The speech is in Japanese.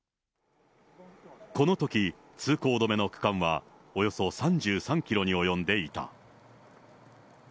このとき、通行止めの区間は、およそ３３キロに及んでいた。